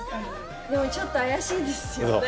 でもちょっと怪しいんですよ。